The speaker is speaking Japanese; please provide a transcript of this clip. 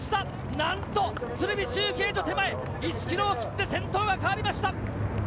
なんと、鶴見中継所手前、１キロを切って、先頭が変わりました。